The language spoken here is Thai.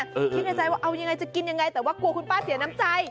คิดในใจว่าเอายังไงจะกินยังไงแต่ว่ากลัวคุณป้าเสียน้ำใจ